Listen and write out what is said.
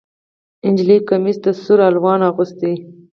نجلۍ کمیس د سور الوان اغوستی